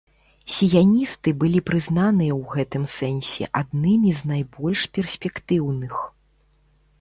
Сіяністы былі прызнаныя ў гэтым сэнсе аднымі з найбольш перспектыўных.